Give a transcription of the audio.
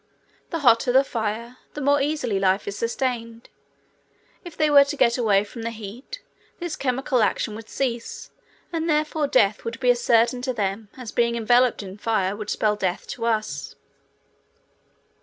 The hotter the fire, the more easily is life sustained. If they were to get away from the heat, this chemical action would cease and therefore death would be as certain to them as being enveloped in fire would spell death to us.